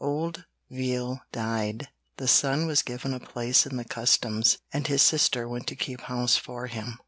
Old Veal died; the son was given a place in the Customs, and his sister went to keep house for him.